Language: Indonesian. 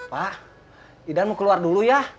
pak idan mau keluar dulu ya